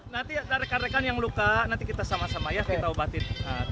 nanti ada rekan rekan yang luka nanti kita sama sama ya kita obatin